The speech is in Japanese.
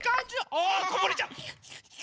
あこぼれちゃう。